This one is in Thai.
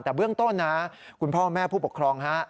แต่เบื้องต้นนะคุณพ่อแม่ผู้ปกครองฮะ